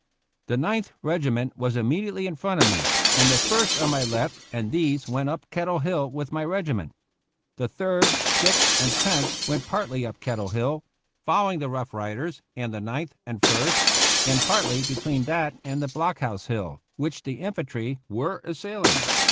The Ninth Regiment was immediately in front of me, and the First on my left, and these went up Kettle Hill with my regiment. The Third, Sixth, and Tenth went partly up Kettle Hill (fol lowing the Rough Riders and the Ninth and First), and partly between that and the block house hill, which the infantry were assailing.